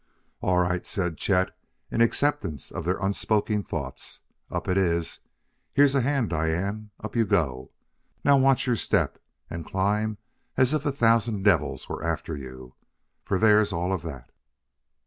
"All right," said Chet in acceptance of their unspoken thoughts, "up it is! Here's a hand, Diane up you go! Now watch your step, and climb as if a thousand devils were after you, for there's all of that!"